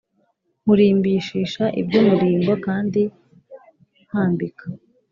Nkurimbishisha iby umurimbo kandi nkwambika